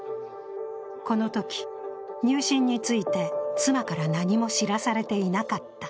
このとき、入信について妻から何も知らされていなかった。